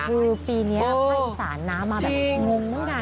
คือปีนี้ให้สารน้ำมาแบบงุ้งมาเยอะมาก